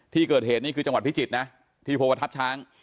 ที่เกิดเหตุนี่คือจังหวัดพิจิตรนะที่โพวทัพช้าง